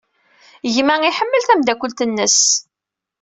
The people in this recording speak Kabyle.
Gma iḥemmel tameddakelt-nnes.